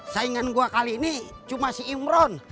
saingan gue kali ini cuma si imron